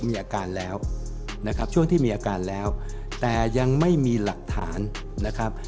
มีอาการแล้วนะครับช่วงที่มีอาการแล้วแต่ยังไม่มีหลักฐานนะครับ